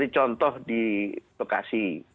contoh di bekasi